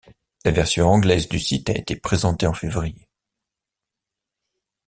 La version anglaise du site a été présentée en février.